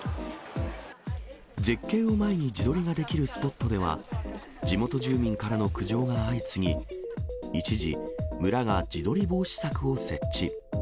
絶景を前に自撮りができるスポットでは、地元住民からの苦情が相次ぎ、一時、村が自撮り防止柵を設置。